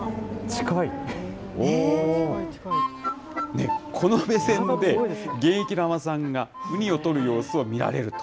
ね、この目線で、現役の海女さんがウニを取る様子を見られると。